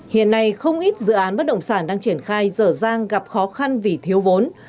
hiện nay không ít dự án bất động sản đang triển khai dở dang gặp khó khăn vì thiếu vốn